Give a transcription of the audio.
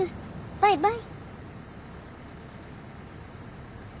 バイバイ。